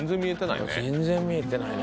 全然見えてないね。